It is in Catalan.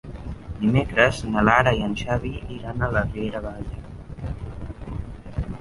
Dimecres na Lara i en Xavi iran a la Riera de Gaià.